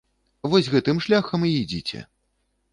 Вось гэтым шляхам і ідзіце.